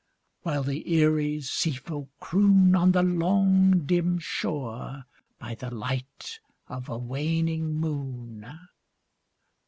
While the eerie sea folk croon On the long dim shore by the light of a waning moon.